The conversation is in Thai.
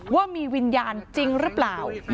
ว่ามีวิญญาณจริงหรือเปล่า